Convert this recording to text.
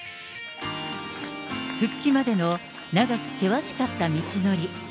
復帰までの長く険しかった道のり。